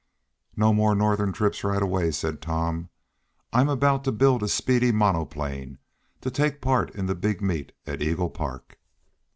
"No more northern trips right away," said Tom. "I'm about to build a speedy monoplane, to take part in the big meet at Eagle Park."